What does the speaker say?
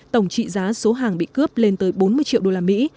tổng trị giá số hàng bị cướp lên tới bốn mươi triệu đô la mỹ